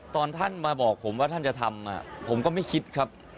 ตอนท่านมาบอกผมว่าท่านจะทำผมก็ไม่คิดครับ